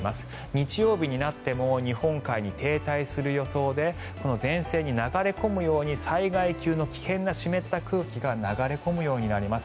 日曜日になっても日本海に停滞する予想で前線に流れ込むように災害級の危険な湿った空気が流れ込むようになります。